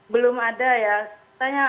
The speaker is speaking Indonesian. belum ada ya